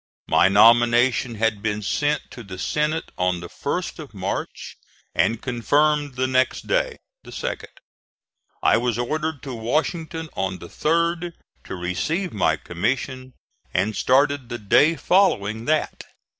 My nomination had been sent to the Senate on the 1st of March and confirmed the next day (the 2d). I was ordered to Washington on the 3d to receive my commission, and started the day following that.